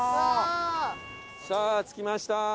さあ着きました。